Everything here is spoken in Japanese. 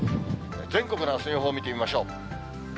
全国のあすの予報を見てみましょう。